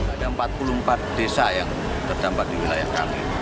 ada empat puluh empat desa yang terdampak di wilayah kami